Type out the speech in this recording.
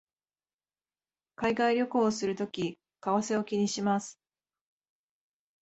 海外旅行をするとき為替を気にします